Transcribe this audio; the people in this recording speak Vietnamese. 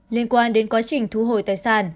liên quan đến quá trình thu hồi tài sản